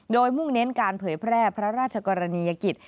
โดยมุ่งเน้นการเผยแพร่พระราชกรณียกิจ